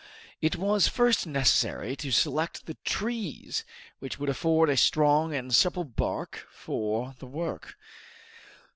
It was first necessary to select the trees which would afford a strong and supple bark for the work.